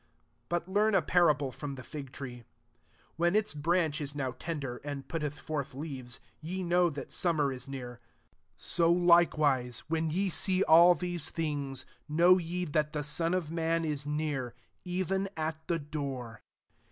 32 ^< But learn a parable from the fig tree: When its branch Is now tender, and putteth forth lesTes, ye know that summer is near: S3 so likewise, when ye see all these things, know ye that tht Sori qfmanis near, even It the door.